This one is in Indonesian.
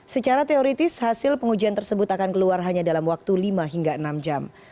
secara teoritis hasil pengujian tersebut akan keluar hanya dalam waktu lima hingga enam jam